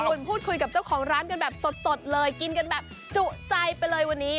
คุณพูดคุยกับเจ้าของร้านกันแบบสดเลยกินกันแบบจุใจไปเลยวันนี้